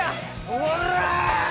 おら！